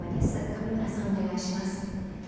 上村さんお願いします。